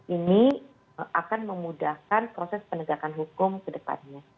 ini akan memudahkan proses penegakan hukum kedepannya